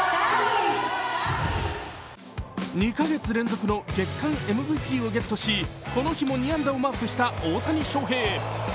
２か月連続の月間ＭＶＰをゲットしこの日も５安打をマークした大谷翔平。